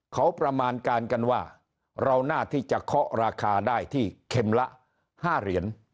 เขาประมาณการกันว่าเราน่าที่จะเคาะราคาได้ที่เข็มละ๕เหรียญ